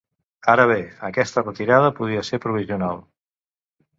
Ara bé, aquesta retirada podria ser provisional.